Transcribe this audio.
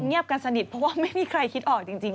เงียบกันสนิทเพราะว่าไม่มีใครคิดออกจริง